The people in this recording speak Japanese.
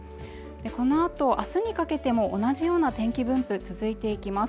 このあとあすにかけても同じような天気分布続いていきます